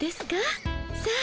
さあ